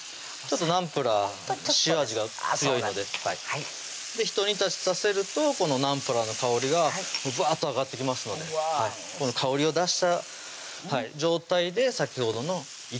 ナンプラー塩味が強いのでひと煮立ちさせるとこのナンプラーの香りがブワッと上がってきますのでこの香りを出した状態で先ほどのいかと和えていきます